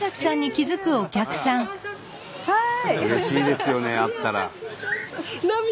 はい！